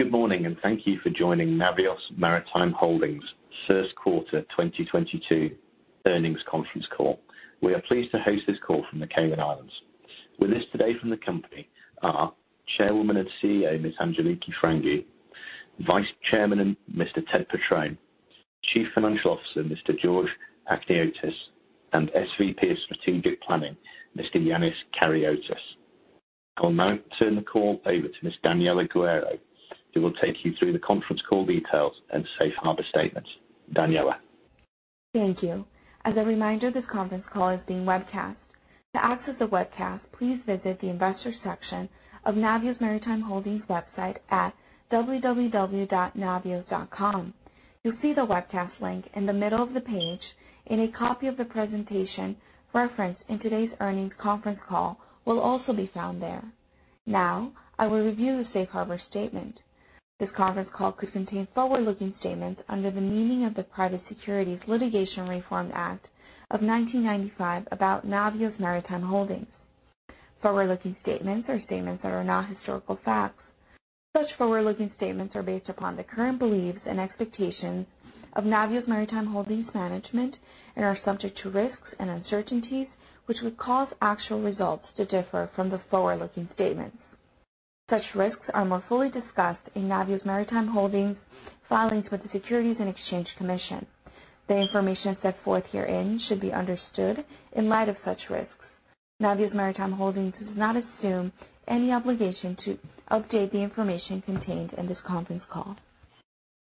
Good morning, and thank you for joining Navios Maritime Holdings first quarter 2022 earnings conference call. We are pleased to host this call from the Cayman Islands. With us today from the company are Chairwoman and CEO, Ms. Angeliki Frangou, Vice Chairman, Mr. Ted Petrone, Chief Financial Officer, Mr. George Achniotis, and SVP of Strategic Planning, Mr. Ioannis Karyotis. I'll now turn the call over to Ms. Daniela Guerrero, who will take you through the conference call details and safe harbor statements. Daniela. Thank you. As a reminder, this conference call is being webcast. To access the webcast, please visit the investor section of Navios Maritime Holdings website at www.navios.com. You'll see the webcast link in the middle of the page, and a copy of the presentation referenced in today's earnings conference call will also be found there. Now, I will review the Safe Harbor statement. This conference call could contain forward-looking statements under the meaning of the Private Securities Litigation Reform Act of 1995 about Navios Maritime Holdings. Forward-looking statements are statements that are not historical facts. Such forward-looking statements are based upon the current beliefs and expectations of Navios Maritime Holdings management and are subject to risks and uncertainties, which would cause actual results to differ from the forward-looking statements. Such risks are more fully discussed in Navios Maritime Holdings filings with the Securities and Exchange Commission. The information set forth herein should be understood in light of such risks. Navios Maritime Holdings does not assume any obligation to update the information contained in this conference call.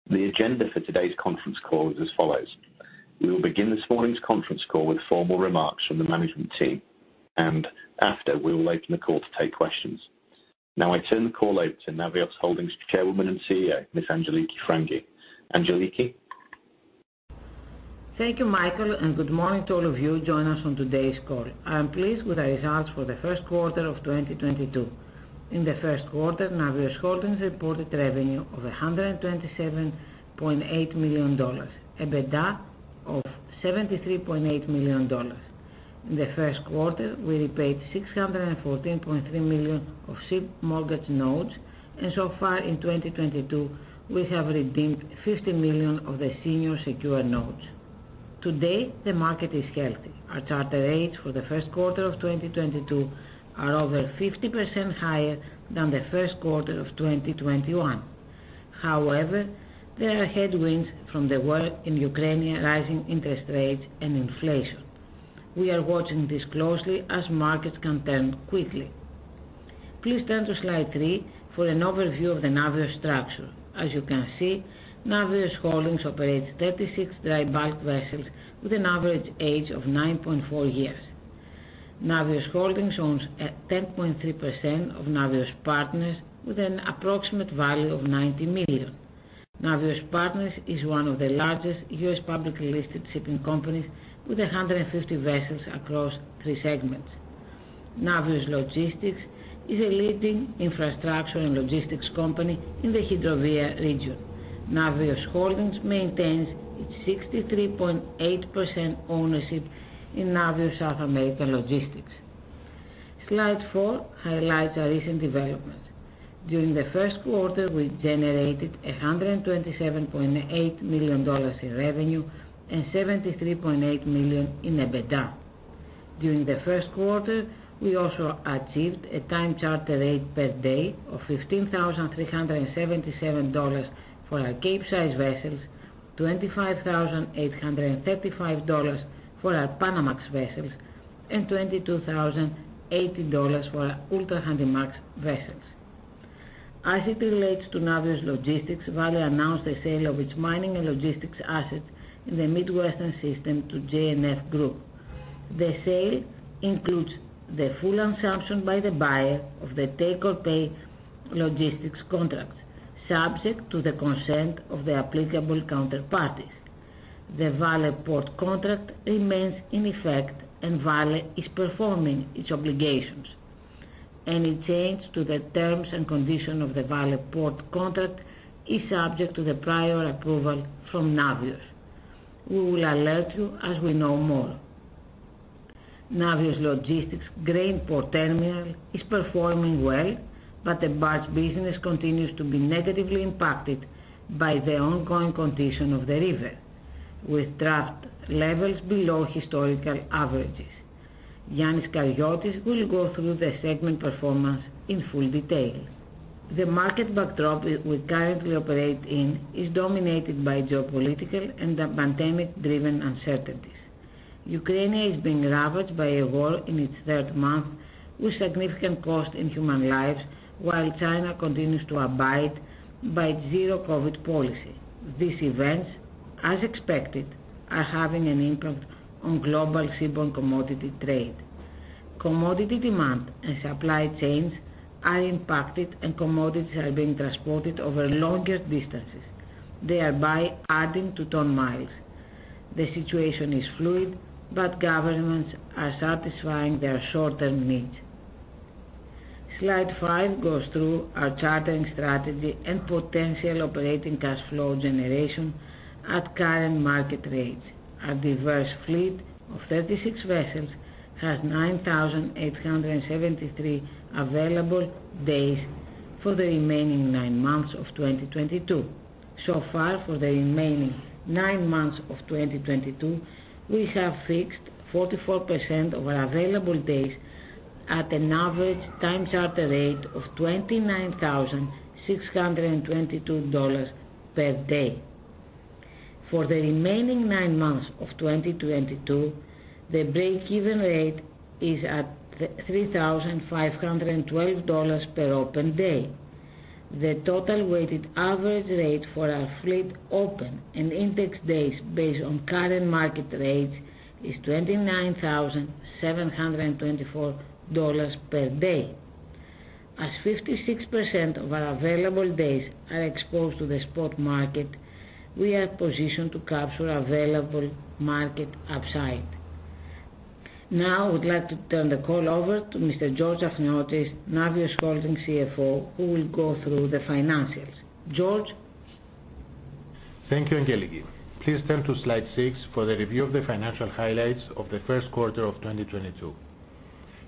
The agenda for today's conference call is as follows: We will begin this morning's conference call with formal remarks from the management team, and after we will open the call to take questions. Now I turn the call over to Navios Maritime Holdings Chairwoman and CEO, Ms. Angeliki Frangou. Angeliki. Thank you, Michael, and good morning to all of you joining us on today's call. I am pleased with the results for the first quarter of 2022. In the first quarter, Navios Holdings reported revenue of $127.8 million, EBITDA of $73.8 million. In the first quarter, we repaid $614.3 million of ship mortgage notes, and so far in 2022, we have redeemed $50 million of the senior secured notes. Today, the market is healthy. Our charter rates for the first quarter of 2022 are over 50% higher than the first quarter of 2021. However, there are headwinds from the war in Ukraine, rising interest rates and inflation. We are watching this closely as markets can turn quickly. Please turn to slide three for an overview of the Navios structure. As you can see, Navios Holdings operates 36 dry bulk vessels with an average age of 9.4 years. Navios Holdings owns 10.3% of Navios Partners with an approximate value of $90 million. Navios Partners is one of the largest U.S. publicly listed shipping companies with 150 vessels across three segments. Navios Logistics is a leading infrastructure and logistics company in the Hidrovia region. Navios Holdings maintains its 63.8% ownership in Navios South American Logistics. Slide four highlights our recent developments. During the first quarter, we generated $127.8 million in revenue and $73.8 million in EBITDA. During the first quarter, we also achieved a time charter rate per day of $15,377 for our Capesize vessels, $25,835 for our Panamax vessels, and $22,080 for our Ultramax vessels. As it relates to Navios Logistics, Vale announced the sale of its mining and logistics assets in the Midwestern system to J&F Group. The sale includes the full assumption by the buyer of the take-or-pay logistics contract, subject to the consent of the applicable counterparties. The Vale port contract remains in effect, and Vale is performing its obligations. Any change to the terms and conditions of the Vale port contract is subject to the prior approval from Navios. We will alert you as we know more. Navios Logistics Grain Port Terminal is performing well, but the barge business continues to be negatively impacted by the ongoing condition of the river, with draft levels below historical averages. Ioannis Karyotis will go through the segment performance in full detail. The market backdrop we currently operate in is dominated by geopolitical and pandemic-driven uncertainties. Ukraine is being ravaged by a war in its third month with significant cost in human lives, while China continues to abide by its zero-COVID policy. These events, as expected, are having an impact on global seaborne commodity trade. Commodity demand and supply chains are impacted, and commodities are being transported over longer distances, thereby adding to ton-miles. The situation is fluid, but governments are satisfying their short-term needs. Slide five goes through our chartering strategy and potential operating cash flow generation at current market rates. Our diverse fleet of 36 vessels had 9,873 available days for the remaining nine months of 2022. For the remaining nine months of 2022, we have fixed 44% of our available days at an average time charter rate of $29,622 per day. For the remaining nine months of 2022, the break-even rate is at $3,512 per open day. The total weighted average rate for our fleet open and index days based on current market rates is $29,724 per day. As 56% of our available days are exposed to the spot market, we are positioned to capture available market upside. I would like to turn the call over to Mr. George Achniotis, Navios Maritime Holdings CFO, who will go through the financials. George? Thank you, Angeliki. Please turn to slide six for the review of the financial highlights of the first quarter of 2022.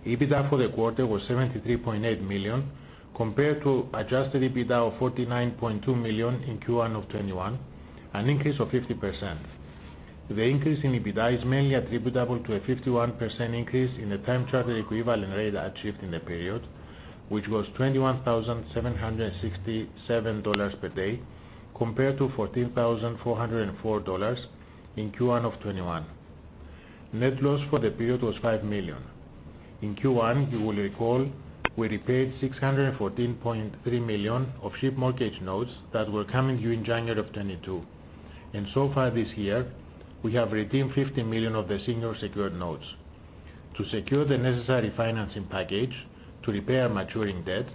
EBITDA for the quarter was $73.8 million compared to adjusted EBITDA of $49.2 million in Q1 of 2021, an increase of 50%. The increase in EBITDA is mainly attributable to a 51% increase in the time charter equivalent rate achieved in the period, which was $21,767 per day compared to $14,404 in Q1 of 2021. Net loss for the period was $5 million. In Q1, you will recall we repaid $614.3 million of ship mortgage notes that were coming due in January of 2022. So far this year, we have redeemed $50 million of the senior secured notes. To secure the necessary financing package to repay our maturing debt,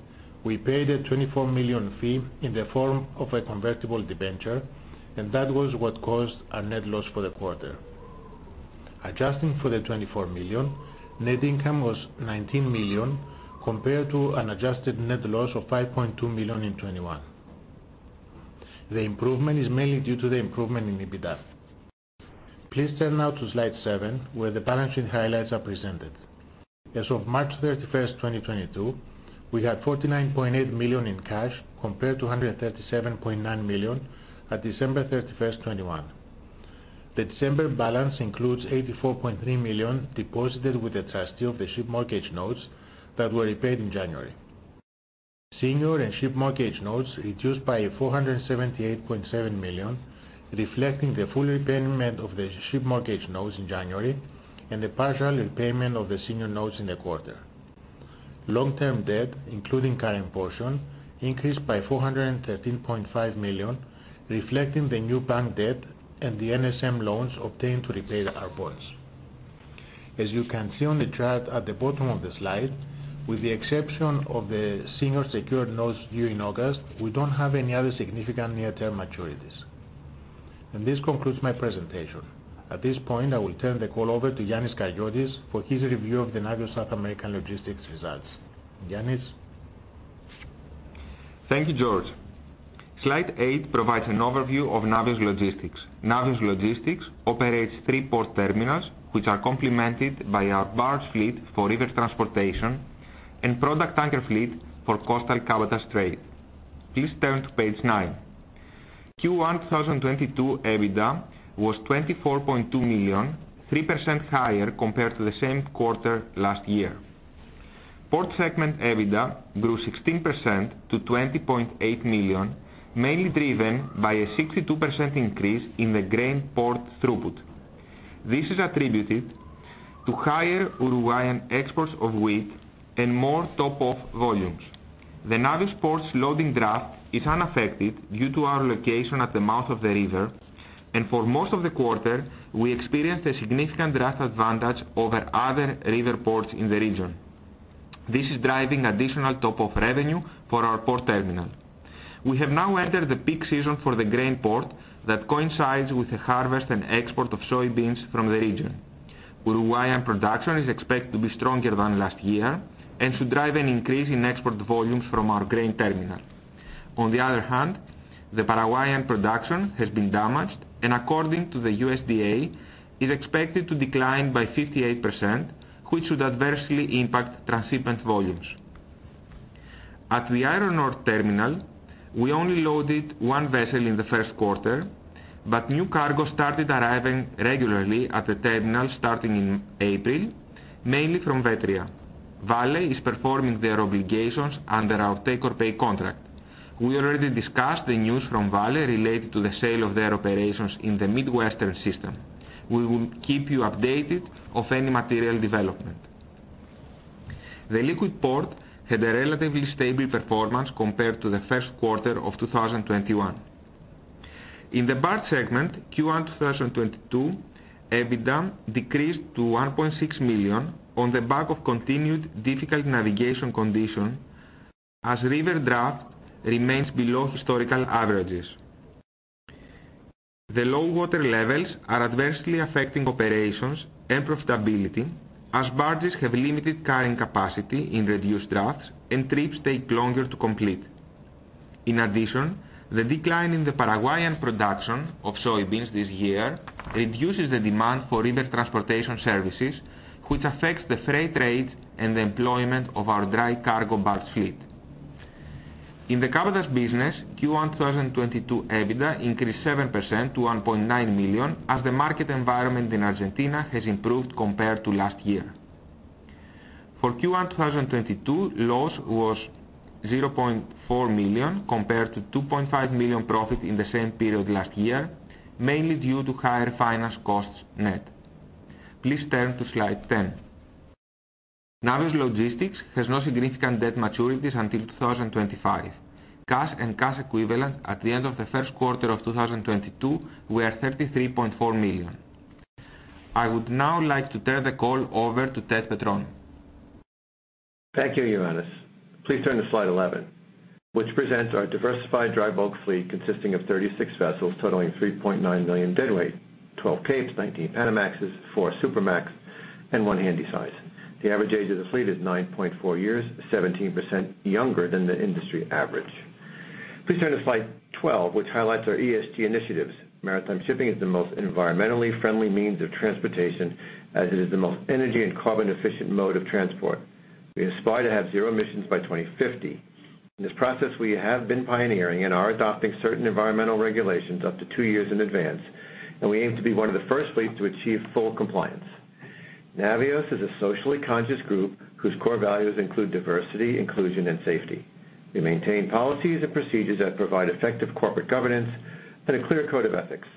we paid a $24 million fee in the form of a convertible debenture, and that was what caused our net loss for the quarter. Adjusting for the $24 million, net income was $19 million compared to an adjusted net loss of $5.2 million in 2021. The improvement is mainly due to the improvement in EBITDA. Please turn now to slide seven, where the balance sheet highlights are presented. As of March 31st, 2022, we had $49.8 million in cash compared to $137.9 million at December 31st, 2021. The December balance includes $84.3 million deposited with the trustee of the ship mortgage notes that were repaid in January. Senior and ship mortgage notes reduced by $478.7 million, reflecting the full repayment of the ship mortgage notes in January and the partial repayment of the senior notes in the quarter. Long-term debt, including current portion, increased by $413.5 million, reflecting the new bank debt and the NSM loans obtained to repay our bonds. As you can see on the chart at the bottom of the slide, with the exception of the senior secured notes due in August, we don't have any other significant near-term maturities. This concludes my presentation. At this point, I will turn the call over to Ioannis Karyotis for his review of the Navios South American Logistics results. Yannis? Thank you, George. Slide eight provides an overview of Navios Logistics. Navios Logistics operates three port terminals, which are complemented by our barge fleet for river transportation and product tanker fleet for coastal cabotage trade. Please turn to page nine. Q1 2022 EBITDA was $24.2 million, 3% higher compared to the same quarter last year. Port segment EBITDA grew 16% to $20.8 million, mainly driven by a 62% increase in the grain port throughput. This is attributed to higher Uruguayan exports of wheat and more top-off volumes. The Navios ports loading draft is unaffected due to our location at the mouth of the river, and for most of the quarter, we experienced a significant draft advantage over other river ports in the region. This is driving additional top-off revenue for our port terminal. We have now entered the peak season for the grain port that coincides with the harvest and export of soybeans from the region. Uruguayan production is expected to be stronger than last year and should drive an increase in export volumes from our grain terminal. On the other hand, the Paraguayan production has been damaged and according to the USDA, is expected to decline by 58%, which should adversely impact transshipment volumes. At the iron ore terminal, we only loaded one vessel in the first quarter, but new cargo started arriving regularly at the terminal starting in April, mainly from Vetria. Vale is performing their obligations under our take-or-pay contract. We already discussed the news from Vale related to the sale of their operations in the Midwestern system. We will keep you updated on any material development. The liquid port had a relatively stable performance compared to the first quarter of 2021. In the barge segment, Q1 2022, EBITDA decreased to $1.6 million on the back of continued difficult navigation condition as river draft remains below historical averages. The low water levels are adversely affecting operations and profitability, as barges have limited carrying capacity in reduced drafts and trips take longer to complete. In addition, the decline in the Paraguayan production of soybeans this year reduces the demand for river transportation services, which affects the freight rate and the employment of our dry cargo barge fleet. In the Cabotage business, Q1 2022 EBITDA increased 7% to $1.9 million, as the market environment in Argentina has improved compared to last year. For Q1 2022, loss was $0.4 million compared to $2.5 million profit in the same period last year, mainly due to higher finance costs net. Please turn to slide 10. Navios Logistics has no significant debt maturities until 2025. Cash and cash equivalents at the end of the first quarter of 2022 were $33.4 million. I would now like to turn the call over to Ted Petrone. Thank you, Ioannis. Please turn to slide 11, which presents our diversified dry bulk fleet consisting of 36 vessels totaling 3.9 million deadweight, 12 Capes, 19 Panamaxes, 4 Supramax, and 1 Handysize. The average age of the fleet is 9.4 years, 17% younger than the industry average. Please turn to slide 12, which highlights our ESG initiatives. Maritime shipping is the most environmentally friendly means of transportation, as it is the most energy and carbon efficient mode of transport. We aspire to have zero emissions by 2050. In this process, we have been pioneering and are adopting certain environmental regulations up to two years in advance, and we aim to be one of the first fleets to achieve full compliance. Navios is a socially conscious group whose core values include diversity, inclusion, and safety. We maintain policies and procedures that provide effective corporate governance and a clear code of ethics.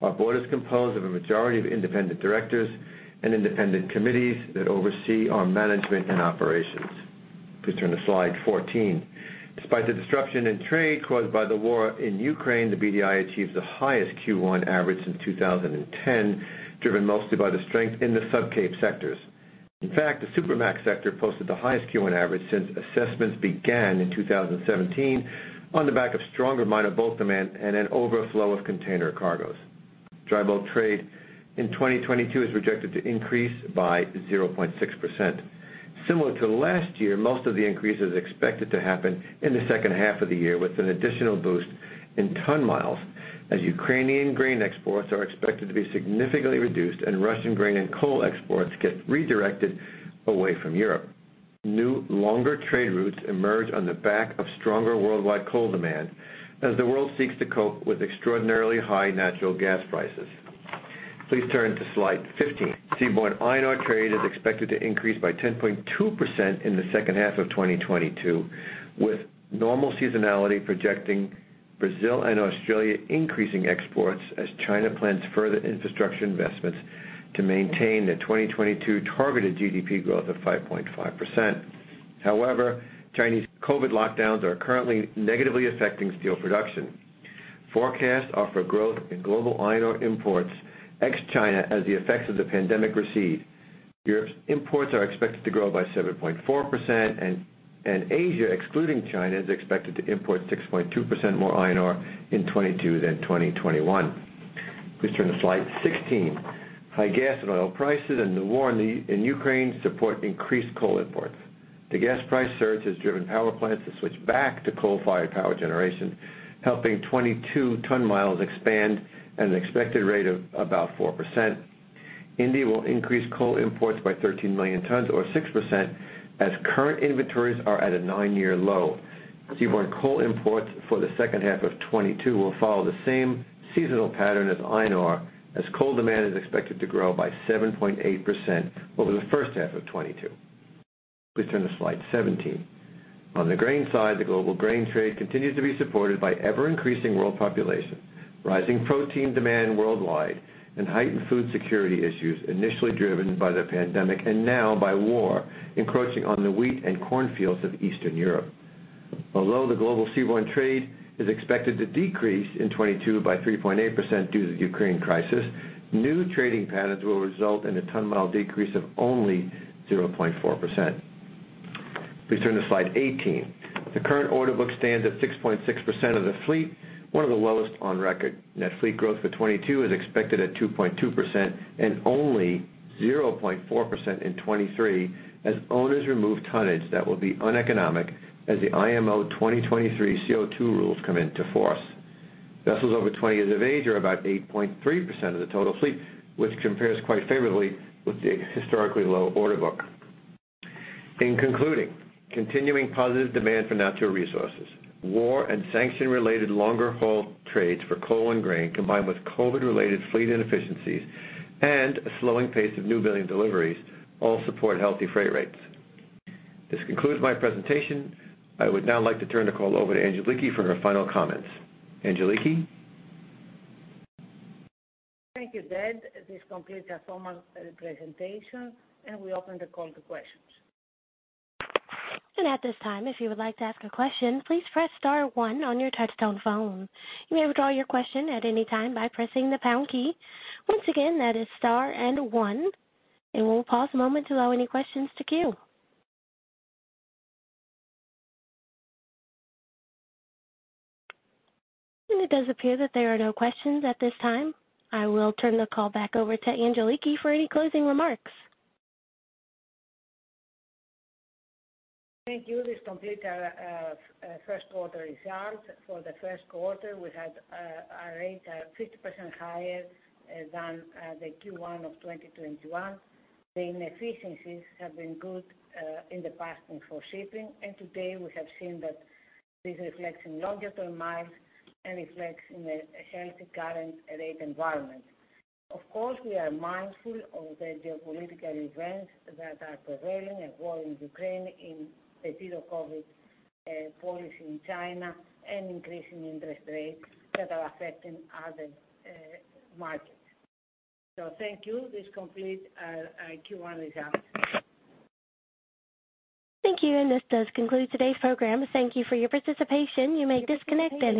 Our board is composed of a majority of independent directors and independent committees that oversee our management and operations. Please turn to slide 14. Despite the disruption in trade caused by the war in Ukraine, the BDI achieved the highest Q1 average since 2010, driven mostly by the strength in the sub-Capesize sectors. In fact, the Supramax sector posted the highest Q1 average since assessments began in 2017 on the back of stronger minor bulk demand and an overflow of container cargoes. Dry bulk trade in 2022 is projected to increase by 0.6%. Similar to last year, most of the increase is expected to happen in the second half of the year with an additional boost in ton-miles as Ukrainian grain exports are expected to be significantly reduced and Russian grain and coal exports get redirected away from Europe. New longer trade routes emerge on the back of stronger worldwide coal demand as the world seeks to cope with extraordinarily high natural gas prices. Please turn to slide 15. Seaborne iron ore trade is expected to increase by 10.2% in the second half of 2022, with normal seasonality projecting Brazil and Australia increasing exports as China plans further infrastructure investments to maintain the 2022 targeted GDP growth of 5.5%. However, Chinese COVID lockdowns are currently negatively affecting steel production. Forecasts offer growth in global iron ore imports, ex-China, as the effects of the pandemic recede. Europe's imports are expected to grow by 7.4%, and Asia, excluding China, is expected to import 6.2% more iron ore in 2022 than 2021. Please turn to slide 16. High gas and oil prices and the war in Ukraine support increased coal imports. The gas price surge has driven power plants to switch back to coal-fired power generation, helping 2022 ton-miles expand at an expected rate of about 4%. India will increase coal imports by 13 million tons or 6% as current inventories are at a 9-year low. Seaborne coal imports for the second half of 2022 will follow the same seasonal pattern as iron ore as coal demand is expected to grow by 7.8% over the first half of 2022. Please turn to slide 17. On the grain side, the global grain trade continues to be supported by ever-increasing world population, rising protein demand worldwide, and heightened food security issues initially driven by the pandemic and now by war encroaching on the wheat and corn fields of Eastern Europe. Although the global seaborne trade is expected to decrease in 2022 by 3.8% due to the Ukraine crisis, new trading patterns will result in a ton-mile decrease of only 0.4%. Please turn to slide 18. The current order book stands at 6.6% of the fleet, one of the lowest on record. Net fleet growth for 2022 is expected at 2.2% and only 0.4% in 2023 as owners remove tonnage that will be uneconomic as the IMO 2023 CO2 rules come into force. Vessels over 20 years of age are about 8.3% of the total fleet, which compares quite favorably with the historically low order book. In concluding, continuing positive demand for natural resources, war and sanction-related longer haul trades for coal and grain, combined with COVID-related fleet inefficiencies and a slowing pace of newbuilding deliveries all support healthy freight rates. This concludes my presentation. I would now like to turn the call over to Angeliki for her final comments. Angeliki? Thank you, Ted. This completes our formal presentation, and we open the call to questions. At this time, if you would like to ask a question, please press star one on your touchtone phone. You may withdraw your question at any time by pressing the pound key. Once again, that is star and one. We'll pause a moment to allow any questions to queue. It does appear that there are no questions at this time. I will turn the call back over to Angeliki for any closing remarks. Thank you. This completes our first quarter results. For the first quarter, we had our rates are 50% higher than the Q1 of 2021. The inefficiencies have been good in the past and for shipping, and today we have seen that this reflects in longer ton-miles and reflects in a healthy current rate environment. Of course, we are mindful of the geopolitical events that are prevailing, a war in Ukraine, in the period of COVID policy in China, and increasing interest rates that are affecting other markets. Thank you. This completes our Q1 results. Thank you, and this does conclude today's program. Thank you for your participation. You may disconnect at any time.